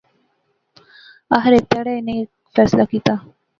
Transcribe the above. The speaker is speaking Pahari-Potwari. آخر ہیک تہاڑے انی ہیک فیصلہ کیتیا